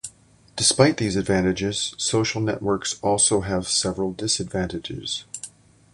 Despite these advantages, social networks also have several disadvantages.